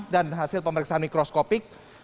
dan hasil pemeriksaan mikroskopik